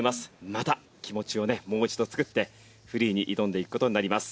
また気持ちをねもう一度作ってフリーに挑んでいく事になります。